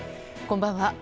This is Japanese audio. こんばんは。